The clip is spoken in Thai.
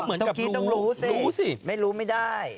ก็เหมือนกับรู้รู้สิ